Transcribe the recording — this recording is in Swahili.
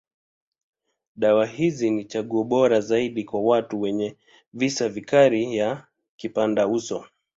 Dawa hizi ni chaguo bora zaidi kwa watu wenye visa vikali ya kipandauso.